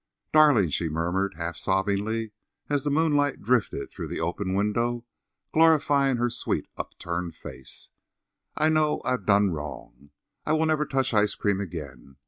"Darling," she murmured, half sobbingly, as the moonlight drifted through the open window, glorifying her sweet, upturned face, "I know I done wrong. I will never touch ice cream again.